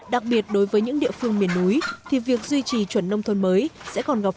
đặc biệt đối với những địa phương miền núi thì việc duy trì chuẩn nông thôn mới sẽ còn gặp